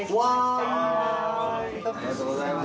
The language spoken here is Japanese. ありがとうございます。